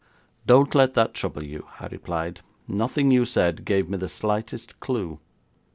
'Don't let that trouble you,' I replied; 'nothing you said gave me the slightest clue.'